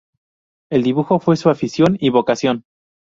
El dibujo fue su afición y vocación.